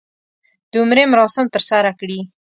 د عمرې مراسم ترسره کړي.